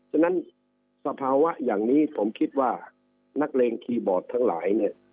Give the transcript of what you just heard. ฉะนั้นสภาวะอย่างนี้ผมคิดว่านักเลงคีย์บอร์ดทั้งหลายเนี่ย